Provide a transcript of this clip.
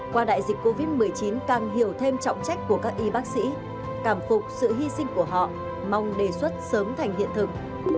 qua đại dịch covid một mươi chín càng hiểu thêm trọng trách của các y bác sĩ cảm phục sự hy sinh của họ mong đề xuất sớm thành hiện thực